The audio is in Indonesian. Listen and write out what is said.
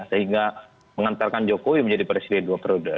sehingga mengantarkan jokowi menjadi presiden dua periode